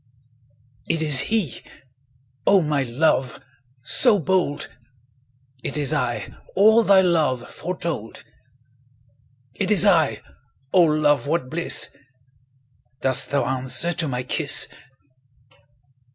It is he—O my love! So bold! It is I—all thy love Foretold! 20 It is I—O love, what bliss! Dost thou answer to my kiss?